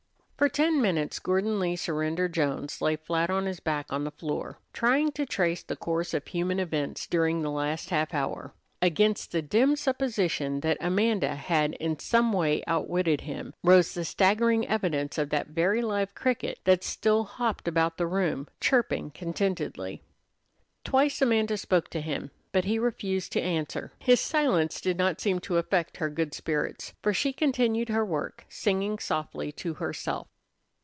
For ten minutes Gordon Lee Surrender Jones lay flat on his back on the floor, trying to trace the course of human events during the last half hour. Against the dim suspicion that Amanda had in some way outwitted him rose the staggering evidence of that very live cricket that still hopped about the room, chirping contentedly. Twice Amanda spoke to him, but he refused to answer. His silence did not seem to affect her good spirits, for she continued her work, singing softly to herself.